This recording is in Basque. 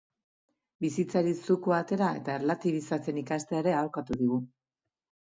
Bizitzari zukua atera eta erlatibizatzen ikastea ere aholkatu digu.